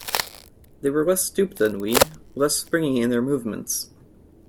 They were less stooped than we, less springy in their movements.